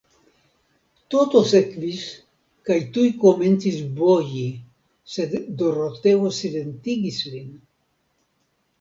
Toto sekvis, kaj tuj komencis boji, sed Doroteo silentigis lin.